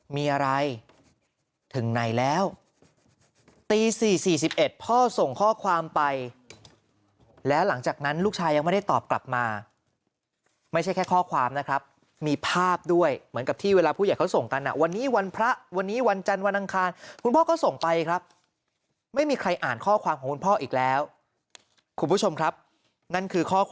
มีอะไรถึงไหนแล้วตี๔๔๑พ่อส่งข้อความไปแล้วหลังจากนั้นลูกชายยังไม่ได้ตอบกลับมาไม่ใช่แค่ข้อความนะครับมีภาพด้วยเหมือนกับที่เวลาผู้ใหญ่เขาส่งกันวันนี้วันพระวันนี้วันจันวันอังคารคุณพ่อก็ส่งไปครับไม่มีใครอ่าน